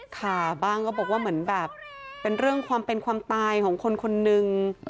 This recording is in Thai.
ค่ะบ้างก็บอกว่าเหมือนแบบเป็นเรื่องความเป็นความตายของคนคนนึง